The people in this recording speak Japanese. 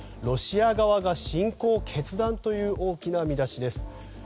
ロシア側が侵攻決断という大きな見出しです。